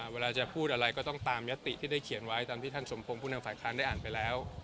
เวลาจะพูดอะไรก็ต้องตามยติที่ได้เขียนไว้ตามที่ท่านสมพงศ์ผู้นำฝ่ายค้านได้อ่านไปแล้ว